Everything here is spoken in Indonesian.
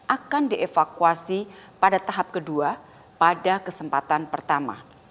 akan dievakuasi pada tahap kedua pada kesempatan pertama